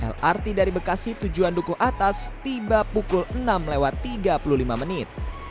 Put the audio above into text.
lrt dari bekasi tujuan duku atas tiba pukul enam lewat tiga puluh lima menit